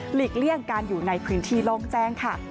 เลี่ยงการอยู่ในพื้นที่โล่งแจ้งค่ะ